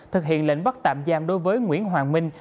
thực hiện lệnh bắt tạm giam đối với nguyễn hoàng minh